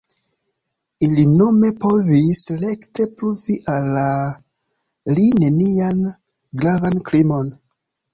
Ili nome povis rekte pruvi al li nenian gravan krimon.